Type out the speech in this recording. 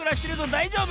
だいじょうぶ？